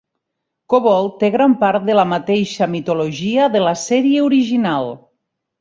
Kobol té gran part de la mateixa mitologia de la sèrie original.